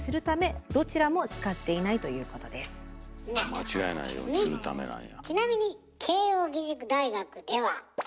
間違えないようにするためなんや。